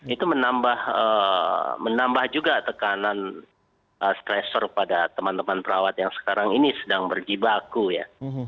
itu menambah juga tekanan stresor pada teman teman perawat yang sekarang ini sedang berjibaku ya